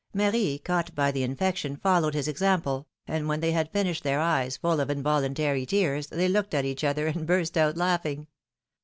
Marie, caught by the infection, followed his example, and when they had finished, their eyes full of involuntary tears, they looked at each other, and burst out laughing.